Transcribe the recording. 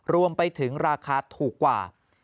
รวมไปถึงราคาถูกกว่า